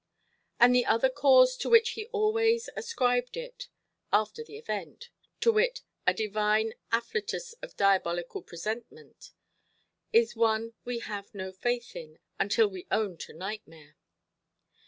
And the other cause to which he always ascribed it—after the event—to wit, a divine afflatus of diabolical presentiment, is one we have no faith in, until we own to nightmare.